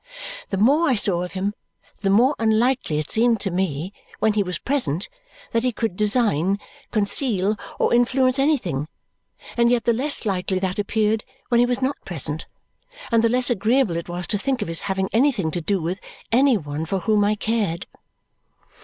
The more I saw of him, the more unlikely it seemed to me, when he was present, that he could design, conceal, or influence anything; and yet the less likely that appeared when he was not present, and the less agreeable it was to think of his having anything to do with any one for whom I cared.